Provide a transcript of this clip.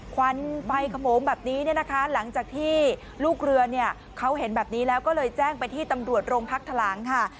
ควันใบขโมงแบบนี้เนี่ยนะคะหลังจากที่ลูกเรือเนี่ยเขาเห็นแบบนี้แล้วก็เลยแจ้งไปที่ตำรวจโรงพักทะลังค่ะ